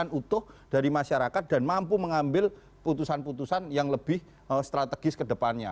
dan memiliki kepercayaan utuh dari masyarakat dan mampu mengambil putusan putusan yang lebih strategis ke depannya